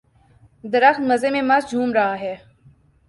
درخت مزے میں مست جھوم رہا ہے